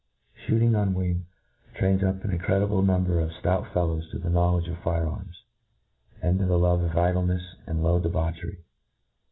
Shooting on wing trains up an incredible num ber of ftout fellows to the knowledge of fire arms, and to the! love pf idlenefs and low debauch T^ry.